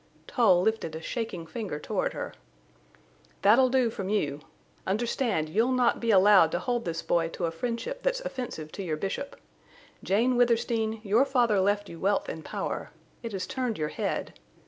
Tull lifted a shaking finger toward her. "That'll do from you. Understand, you'll not be allowed to hold this boy to a friendship that's offensive to your Bishop. Jane Withersteen, your father left you wealth and power. It has turned your head.